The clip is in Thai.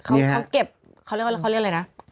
เขาเก็บเขาเรียกอะไรนะ